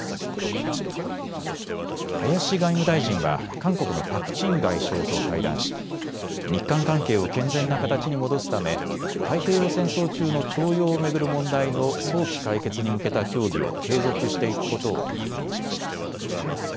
林外務大臣は韓国のパク・チン外相と会談し日韓関係を健全な形に戻すため太平洋戦争中の徴用を巡る問題の早期解決に向けた協議を継続していくことを確認しました。